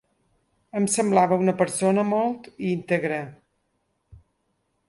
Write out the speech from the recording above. Em semblava una persona molt íntegra.